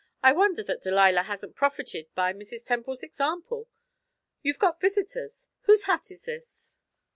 "I wonder that Delilah hasn't profited by Mrs. Temple's example. You've got visitors. Whose hat is this?"